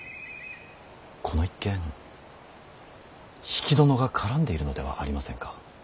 この一件比企殿が絡んでいるのではありませんか。